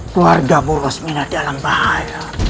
keluarga bu osmina dalam bahaya